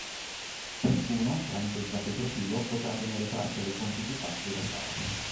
Ciascuno tramite il proprio profilo potrà tenere traccia dei compiti fatti e da fare